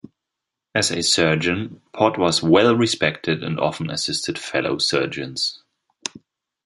As a surgeon, Pott was well respected and often assisted fellow surgeons.